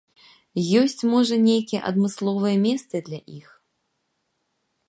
Ёсць, можа, нейкія адмысловыя месцы для іх?